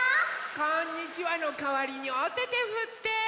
こんにちはのかわりにおててふって！